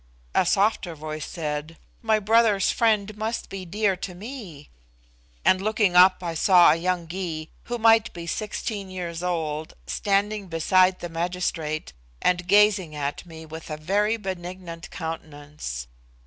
A softer voice said, "My brother's friend must be dear to me." And looking up I saw a young Gy, who might be sixteen years old, standing beside the magistrate and gazing at me with a very benignant countenance.